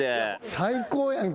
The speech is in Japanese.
最高やんけ